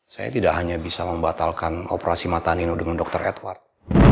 saya tidak hanya bisa membatalkan operasi mata nino dengan dr edward